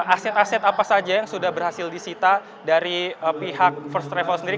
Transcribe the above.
aset aset apa saja yang sudah berhasil disita dari pihak first travel sendiri